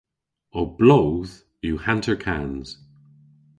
Ow bloodh yw hanterkans.